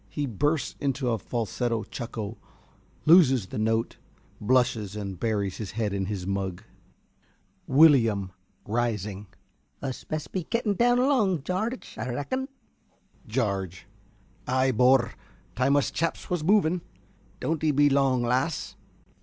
(He bursts into a falsetto chuckle, loses the note, blushes and buries his head in his mug.) ~Willyum~ (rising). Us best be gettin' down along, Jarge, a rackun. ~Jarge.~ Ay, bor, time us chaps was moving. Don't 'e be long, lass.